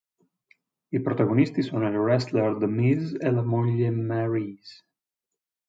I protagonisti sono il wrestler The Miz e la moglie Maryse.